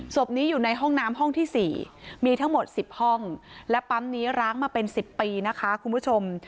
ศพนี้อยู่ในห้องน้ำห้องที่๔มีทั้งหมด๑๐ห้องและปั๊มนี้ร้างมาเป็น๑๐ปีนะคะคุณผู้ชม